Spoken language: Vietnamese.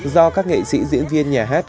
do các nghệ sĩ diễn viên nhà hát